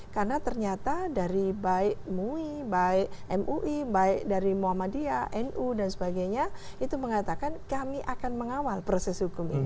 karena ternyata dari dari mui mui mui muamadya mui muamadya muamadya muamadya muamadya muamadya muamadya dan sebagainya itu mengatakan kami akan mengawal proses hukum ini